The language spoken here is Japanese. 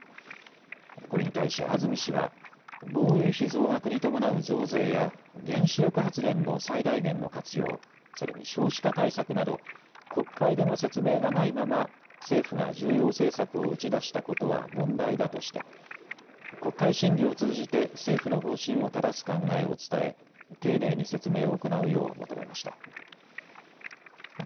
これに対し安住氏は防衛費増額に伴う増税や原子力発電の最大限の活用、それに少子化対策など国会での説明がないまま政府が重要政策を打ち出したことは問題だとして国会審議を通じて政府の方針をただす考えを伝え丁寧に説明を行うよう求めました。